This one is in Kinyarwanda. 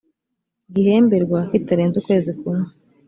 gihemberwa kitarenze ukwezi kumwe